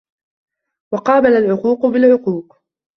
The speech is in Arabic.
وَقَابَلَ الْعُقُوقَ بِالْعُقُوقِ